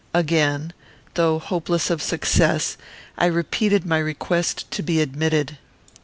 Again, though hopeless of success, I repeated my request to be admitted.